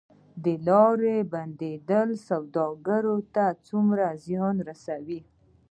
د لارو بندیدل سوداګرو ته څومره زیان رسوي؟